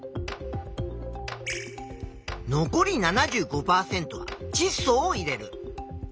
残り７５％はちっ素を入れる。